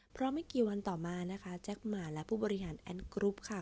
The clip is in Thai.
เพราะไม่กี่วันต่อมานะคะแจ็คหมาและผู้บริหารแอนดกรุ๊ปค่ะ